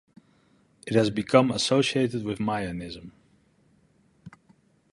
It has become associated with Mayanism.